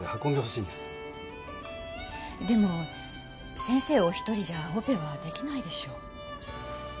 でも先生お一人じゃあオペは出来ないでしょう。